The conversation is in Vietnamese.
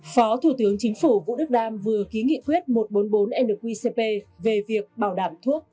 phó thủ tướng chính phủ vũ đức đam vừa ký nghị quyết một trăm bốn mươi bốn nqcp về việc bảo đảm thuốc